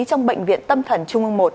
trong bệnh viện tâm thần trung ương một